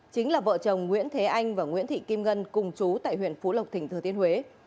chính là vợ chồng nguyễn thế anh và nguyễn thị kim ngân cùng chú tại huyện phú lộc tỉnh thừa thiên huế